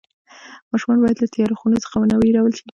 ماشومان باید له تیاره خونو څخه ونه وېرول شي.